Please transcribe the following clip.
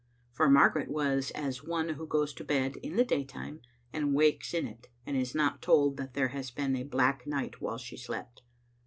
For Margaret was as one who goes to bed in the daytime and wakes in it, and is not told that there has been a black night while she slept.